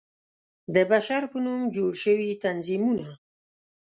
د بشر په نوم جوړ شوى تنظيمونه